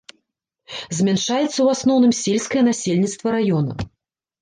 Змяншаецца ў асноўным сельскае насельніцтва раёна.